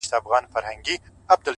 هڅاند انسان فرصتونه جوړوي،